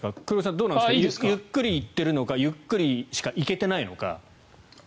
黒井さんどうなんですかゆっくり行っているのかゆっくりしか行けていないのか。